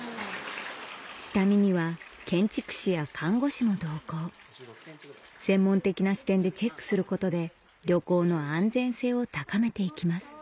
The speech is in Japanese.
下見には建築士や看護師も同行専門的な視点でチェックすることで旅行の安全性を高めていきます